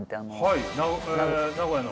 はい名古屋の。